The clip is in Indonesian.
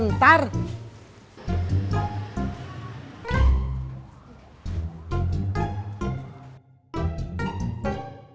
ndak ada apa apa